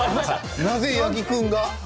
なぜ八木君が？